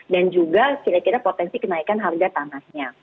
juga kira kira potensi kenaikan harga tanahnya